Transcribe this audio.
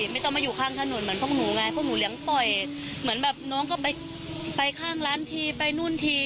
ไม่ต้องมาอยู่ข้างถนนเหมือนพวกหมูไงพวกหมูเหลียงปล่อยเหมือนแบบน้องก็ไปข้างร้านทีไปนู่นที